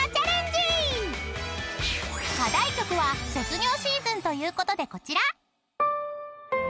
［課題曲は卒業シーズンということでこちら］